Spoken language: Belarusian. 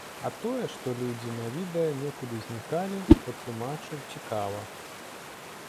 А тое, што людзі на відэа некуды знікалі, патлумачыў цікава.